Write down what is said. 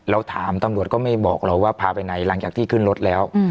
เราถามตำรวจก็ไม่บอกเราว่าพาไปไหนหลังจากที่ขึ้นรถแล้ว